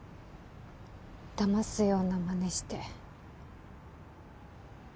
だますようなまねして。